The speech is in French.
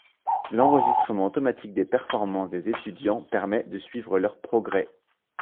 L'enregistrement automatique des performances des étudiants permet de suivre leur progrès.